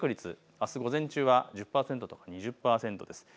あす午前中は１０％２０％です。